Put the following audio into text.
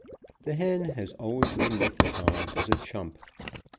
The hen has always been looked upon as a chump.